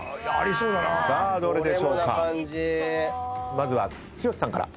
まずは剛さんから。